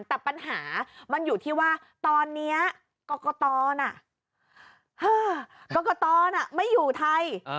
แต่ปัญหามันอยู่ที่ว่าตอนนี้กรกตน่ะกรกตไม่อยู่ไทย